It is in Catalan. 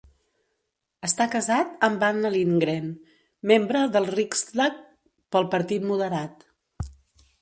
Està casat amb Anna Lindgren, membre del Riksdag pel partit moderat.